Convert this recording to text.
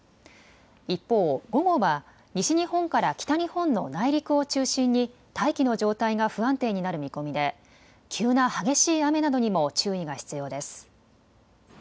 一方、午後は西日本から北日本の内陸を中心に大気の状態が不安定になる見込みで急な激しい雨などにも注意が必要です。